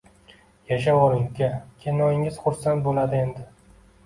Yashavoring uka, kennoyingiz xursand bo`ladi endi